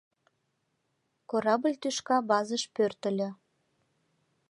Корабль тӱшка базыш пӧртыльӧ.